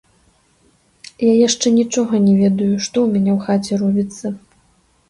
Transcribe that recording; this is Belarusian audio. Я яшчэ нічога не ведаю, што ў мяне ў хаце робіцца.